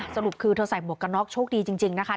สรุปคือเธอใส่หมวกกันน็อกโชคดีจริงนะคะ